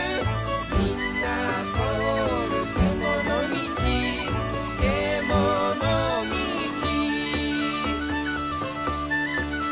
「みんなとおるけものみち」「けものみち」